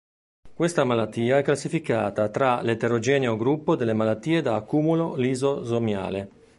Questa malattia è classificata tra l'eterogeneo gruppo delle malattie da accumulo lisosomiale.